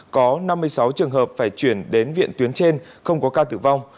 có năm mươi sáu trường hợp phải chuyển đến viện tuyến trên không có ca tử vong